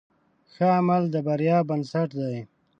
ښه عمل د بریا بنسټ دی.